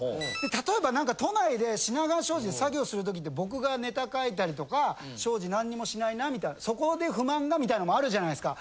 例えば都内で品川庄司で作業する時って僕がネタ書いたりとか庄司何もしないなみたいなそこで不満がみたいのもあるじゃないですか。